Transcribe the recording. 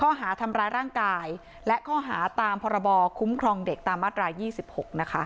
ข้อหาทำร้ายร่างกายและข้อหาตามพรบคุ้มครองเด็กตามมาตราย๒๖นะคะ